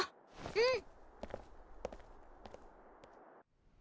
うん。